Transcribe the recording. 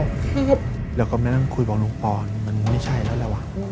แล้วก็มานั่งคุยบอกลุงปอนมันไม่ใช่แล้วแหละว่ะ